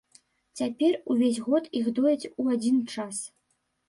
Цяпер увесь год іх дояць у адзін час.